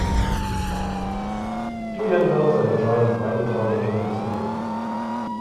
Two young girls are enjoying riding down a hill in the snow.